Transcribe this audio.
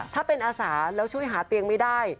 ถ้าเป็นอาสาแล้วช่วยหาเตียงไม่ได้